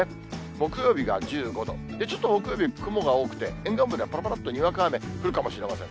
木曜日が１５度、ちょっと木曜日、雲が多くて、沿岸部ではぱらぱらっとにわか雨、降るかもしれません。